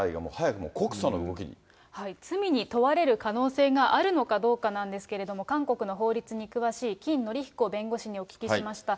で、罪に問われる可能性があるのかどうかなんですけれども、韓国の法律に詳しい金紀彦弁護士にお聞きしました。